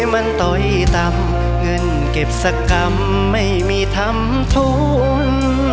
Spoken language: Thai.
มันต่อยต่ำเงินเก็บสักกรรมไม่มีทำทุน